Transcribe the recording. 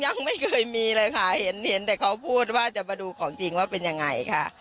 ยังไม่เคยมีเลยค่ะเห็นเห็นแต่เขาพูดว่าจะมาดูของจริงว่าเป็นยังไงค่ะ